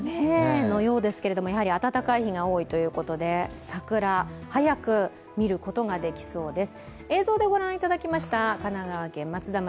のようですけれども、暖かい日が多いということで桜、早く見ることができそうです。